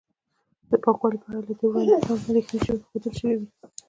د پاکوالي په اړه له دې وړاندې هم اندېښنې ښودل شوې وې